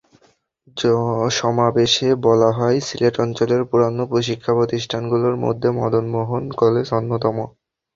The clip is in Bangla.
সমাবেশে বলা হয়, সিলেট অঞ্চলের পুরোনো শিক্ষাপ্রতিষ্ঠানগুলোর মধ্যে মদন মোহন কলেজ অন্যতম।